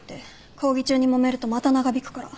講義中にもめるとまた長引くから。